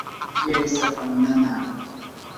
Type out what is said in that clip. qillay sapam nanaa.